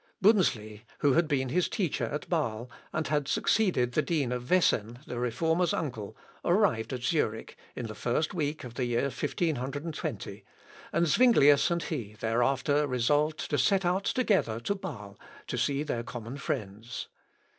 Bunzli, who had been his teacher at Bâle, and had succeeded the dean of Wesen, the Reformer's uncle, arrived at Zurich, in the first week of the year 1520, and Zuinglius and he thereafter resolved to set out together to Bâle to see their common friends.